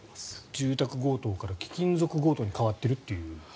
住宅強盗から貴金属強盗に変わっているという。